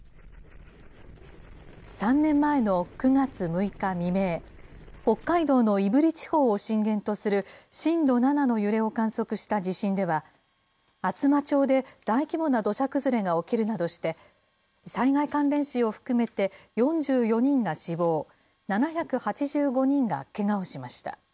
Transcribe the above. ３年前の９がつ６日未明、北海道の胆振地方を震源とする震度７の揺れを観測した地震では、厚真町で大規模な土砂崩れが起きるなどして、災害関連死を含めて４４人が死亡、７８５人がけがをしました。